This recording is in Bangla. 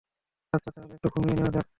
আচ্ছা তাহলে, একটু ঘুমিয়ে নেওয়া যাক।